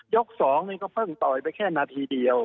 ๒นี่ก็เพิ่งต่อยไปแค่นาทีเดียว